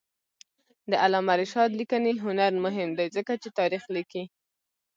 د علامه رشاد لیکنی هنر مهم دی ځکه چې تاریخ لیکي.